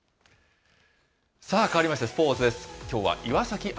さあ、変わりましてスポーツです。